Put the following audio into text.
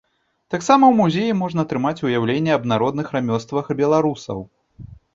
Таксама ў музеі можна атрымаць уяўленне аб народных рамёствах беларусаў.